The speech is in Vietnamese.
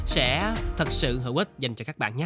sẽ thật sự hữu ích dành cho các bạn nhé